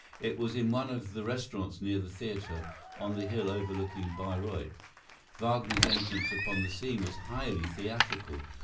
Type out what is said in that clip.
It was in one of the restaurants near the theatre on the hill overlooking Bayreuth. Wagner's entrance upon the scene was highly theatrical.